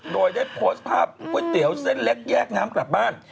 โดยได้โพสต์ภาพก๋วยเตี๋ยวเส้นเล็กแยกน้ำกลับบ้าน